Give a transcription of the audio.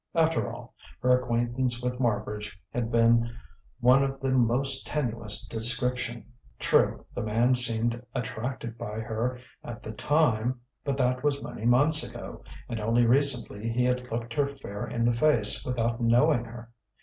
After all, her acquaintance with Marbridge had been one of the most tenuous description. True, the man had seemed attracted by her at the time; but that was many months ago; and only recently he had looked her fair in the face without knowing her.